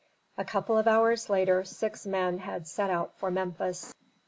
A couple of hours later six men had set out for Memphis.